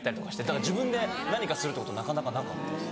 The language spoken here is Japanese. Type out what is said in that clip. だから自分で何かするってことなかなかなかったです。